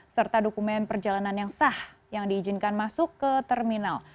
serta dokumen perjalanan yang sah yang diizinkan masuk ke terminal